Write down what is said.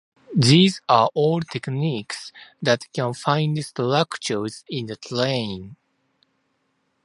These are all techniques that can find structures in the terrain.